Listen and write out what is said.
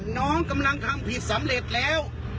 น้องกำลังทำผิดสำเร็จแล้ว